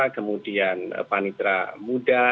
kemudian panitra muda